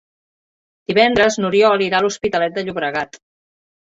Divendres n'Oriol irà a l'Hospitalet de Llobregat.